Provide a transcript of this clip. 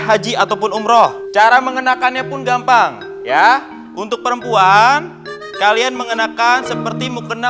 haji ataupun umroh cara mengenakannya pun gampang ya untuk perempuan kalian mengenakan seperti mukena